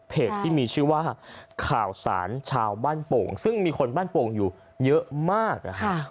ที่มีชื่อว่าข่าวสารชาวบ้านโป่งซึ่งมีคนบ้านโป่งอยู่เยอะมาก